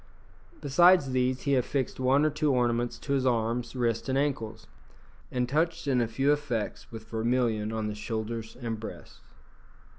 Besides these he affixed one or two ornaments to his arms, wrists, and ankles, and touched in a few effects with vermilion on the shoulders and breast.